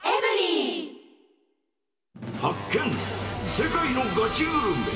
世界のガチグルメ。